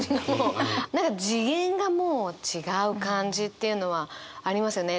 何か次元がもう違う感じっていうのはありますよね。